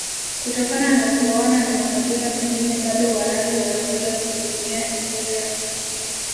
kutokana na kuoana na makabila mengine bado Warangi wanaweza kujivunia historia